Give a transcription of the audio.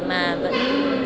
mà vẫn phát triển được